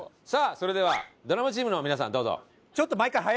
さあそれではドラマチームの皆さんどうぞ。